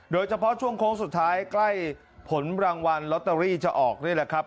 โดยเฉพาะช่วงโค้งสุดท้ายใกล้ผลรางวัลลอตเตอรี่จะออกนี่แหละครับ